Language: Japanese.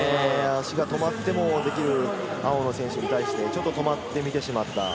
足が止まっても青の選手に対して止まってみてしまった。